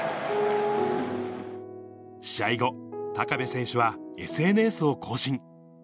試合後、高部選手は、ＳＮＳを更新。